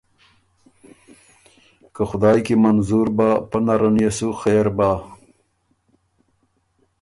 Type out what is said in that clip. که خدایٛ کی منظور بۀ، پۀ نرن يې سو خېر بۀ۔